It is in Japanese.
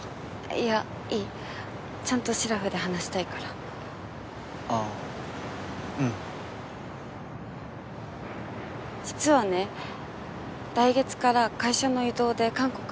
いやいいちゃんとしらふで話したいからあぁうん実はね来月から会社の異動で韓国に行くことになったんだ